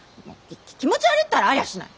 き気持ち悪いったらありゃしない。